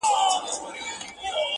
په صفت مړېده نه وه د ټوكرانو-